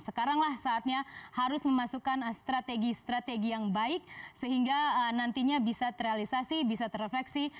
sekaranglah saatnya harus memasukkan strategi strategi yang baik sehingga nantinya bisa terrealisasi bisa terefleksi